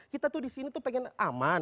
kita tuh disini tuh pengen aman